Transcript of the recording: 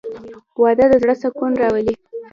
• واده د زړه سکون راولي.